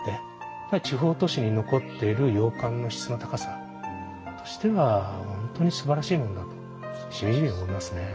地方都市に残っている洋館の質の高さとしては本当にすばらしいものだとしみじみ思いますね。